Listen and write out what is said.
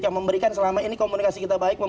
yang memberikan selama ini komunikasi kita baik